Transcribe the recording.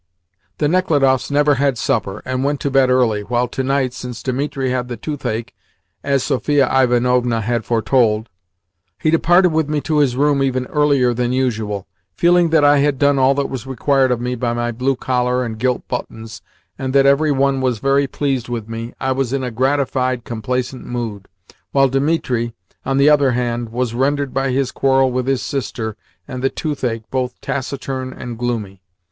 The Nechludoffs never had supper, and went to bed early, while to night, since Dimitri had the toothache (as Sophia Ivanovna had foretold), he departed with me to his room even earlier than usual. Feeling that I had done all that was required of me by my blue collar and gilt buttons, and that every one was very pleased with me, I was in a gratified, complacent mood, while Dimitri, on the other hand, was rendered by his quarrel with his sister and the toothache both taciturn and gloomy.